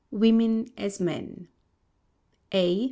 WOMEN AS MEN A.